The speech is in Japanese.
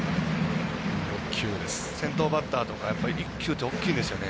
先頭バッターとか１球って大きいですよね。